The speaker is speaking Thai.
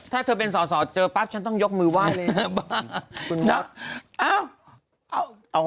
ถ้าเธอเป็นสอดสอดเจอปั๊บฉันต้องยกมือไหว้เลยคุณวัดเอาเอา